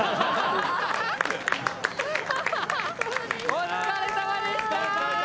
お疲れさまでした！